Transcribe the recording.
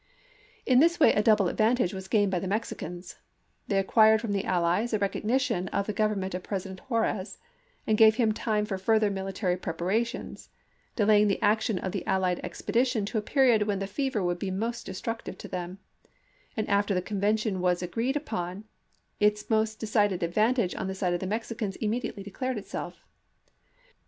In this way a double advantage was gained by the Mexicans: they acquired from the allies a recognition of the government of President Juarez and gave him time for further military prepara tions, delaying the action of the allied expedition to a period when the fever would be most destruc tive to them ; and after the convention was agreed upon, its most decided advantage on the side of the Mexicans immediately declared itself.